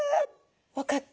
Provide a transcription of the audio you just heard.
分かった。